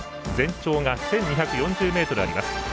全長が１２４０ｍあります。